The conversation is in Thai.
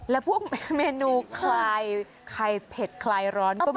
แล้วพวกเมนูคลายเผ็ดคลายร้อนก็มี